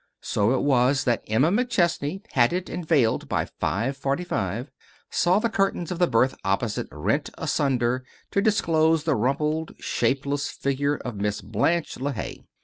I'm going in'"] So it was that Emma McChesney, hatted and veiled by 5:45, saw the curtains of the berth opposite rent asunder to disclose the rumpled, shapeless figure of Miss Blanche LeHaye.